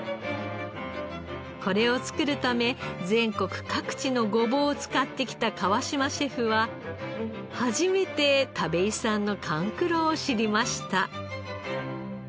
これを作るため全国各地のごぼうを使ってきた川島シェフは初めて田部井さんの甘久郎を知りました。